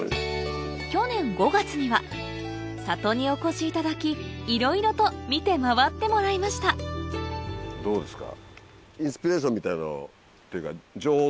去年５月には里にお越しいただきいろいろと見て回ってもらいましたどうですか？